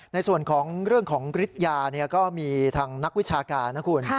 ในส่วนของเรื่องของฤทธิ์ยาก็มีทางนักวิชาการนะคุณ